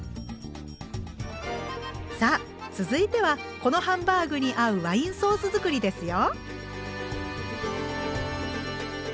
さあ続いてはこのハンバーグに合うワインソース作りですよ。